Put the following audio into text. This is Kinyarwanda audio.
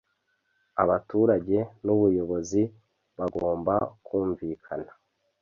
abaturage nubuyobozi bagomba kumvikana